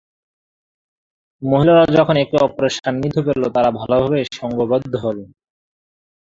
মহিলারা যখন একে অপরের সান্নিধ্য পেল তারা ভালোভাবেই সংঘবদ্ধ হল।